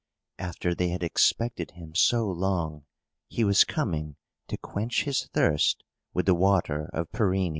After they had expected him so long, he was coming to quench his thirst with the water of Pirene.